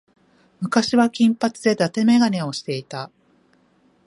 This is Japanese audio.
昔は金髪で伊達眼鏡をしていた。